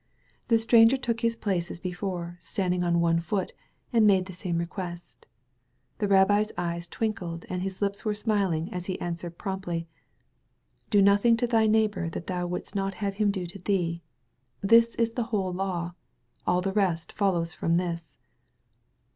The stranger took his place as before, standing on one foot, and made the same request. The rabbi's eyes twinkled and his Ups were smiling as he answered promptly: "Do nothing to thy neighbor that thou wouldst not have him do to thee, this is the whole law; all the rest follows from this."